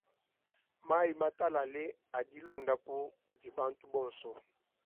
Mayi matalale adi londapu kudi bantu bonso.